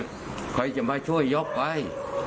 ใครจะมาช่วยยกไป